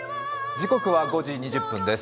時刻は５時２０分です。